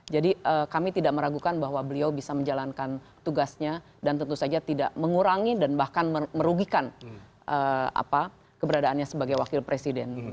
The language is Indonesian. jadi kami tidak meragukan bahwa beliau bisa menjalankan tugasnya dan tentu saja tidak mengurangi dan bahkan merugikan keberadaannya sebagai wakil presiden